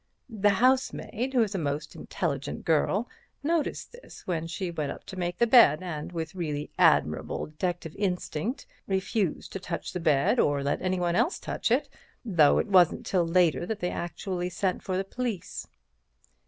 The housemaid, who is a most intelligent girl, noticed this when she went up to make the bed, and, with really admirable detective instinct, refused to touch the bed or let anybody else touch it, though it wasn't till later that they actually sent for the police."